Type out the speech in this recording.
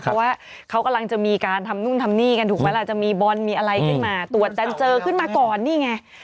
เพราะว่าเขากำลังจะมีการทำนู่นทำนี่กันถูกไหมล่ะจะมีบอลมีอะไรขึ้นมาตรวจดันเจอขึ้นมาก่อนนี่ไง